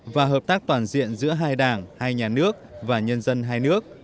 và hợp tác toàn diện giữa hai đảng hai nhà nước và nhân dân hai nước